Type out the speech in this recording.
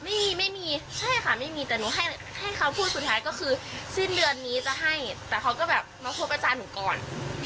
สิ้นเดือนนี้จะให้แต่เค้าก็แบบมาพบอาจารย์หนูก่อน